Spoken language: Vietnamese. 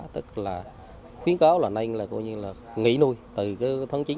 tức là khuyến cáo là nay là gọi như là nghỉ nuôi từ tháng chín